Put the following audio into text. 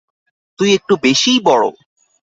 তুই একটু বেশিই বড়!